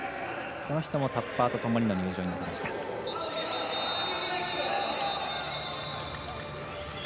この人もタッパーとともにの入場になりました。